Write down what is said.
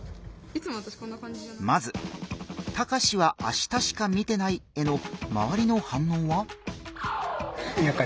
まず「タカシは明日しか見てない」へのまわりの反応は？